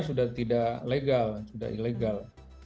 sudah tidak legal sudah ilegal